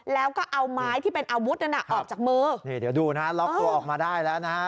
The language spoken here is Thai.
แล้วก็เอาไม้ที่เป็นอาวุธนั้นน่ะออกจากมือนี่เดี๋ยวดูนะฮะล็อกตัวออกมาได้แล้วนะฮะ